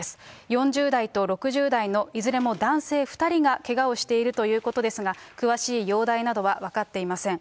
４０代と６０代のいずれも男性２人がけがをしているということですが、詳しい容体などは分かっていません。